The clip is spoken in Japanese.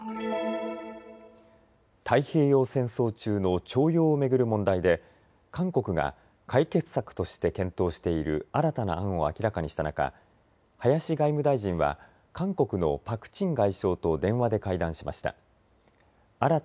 太平洋戦争中の徴用を巡る問題で韓国が解決策として検討している新たな案を明らかにした中、林外務大臣は韓国のパク・チン外相と電話で会談しました。